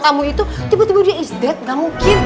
tamu itu tiba tiba dia is dead gak mungkin